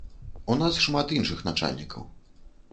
У нас шмат іншых начальнікаў.